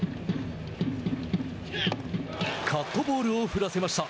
カットボールを振らせました。